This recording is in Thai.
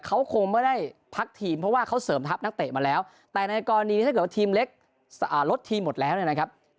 เขาคงไม่ได้พักทีมเพราะว่าเขาเสริมทัพนักเตะมาแล้วแต่ในกรณีถ้าเกิดว่าทีมเล็กลดทีมหมดแล้วเนี่ยนะครับ